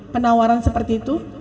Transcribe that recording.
penawaran seperti itu